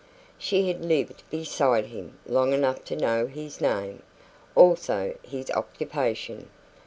She had lived beside him long enough to know his name, also his occupation.